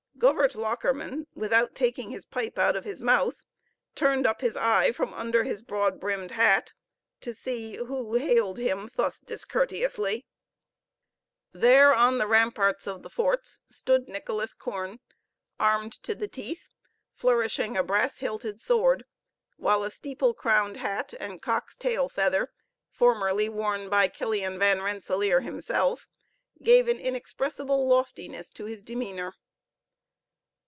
Govert Lockerman, without taking his pipe out of his mouth, turned up his eye from under his broad brimmed hat to see who hailed him thus discourteously. There, on the ramparts of the forts, stood Nicholas Koorn, armed to the teeth, flourishing a brass hilted sword, while a steeple crowned hat and cock's tail feather, formerly worn by Killian Van Rensellaer himself, gave an inexpressible loftiness to his demeanor.